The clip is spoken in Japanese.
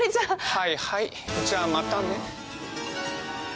はいはいじゃあまたね。